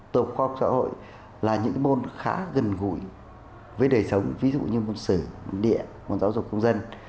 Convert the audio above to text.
tổng khoa học xã hội là những môn khá gần gũi với đời sống ví dụ như môn sử môn điện môn giáo dục công dân